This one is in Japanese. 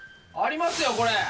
ありますよ、これ。